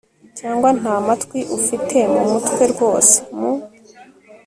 cyangwa nta matwi ufite mumutwe rwose? mu